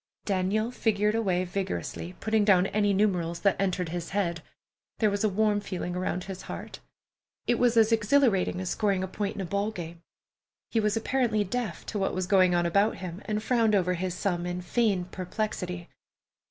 Daniel figured away vigorously, putting down any numerals that entered his head. There was a warm feeling around his heart. It was as exhilarating as scoring a point in a ball game. He was apparently deaf to what was going on about him, and frowned over his sum in feigned perplexity.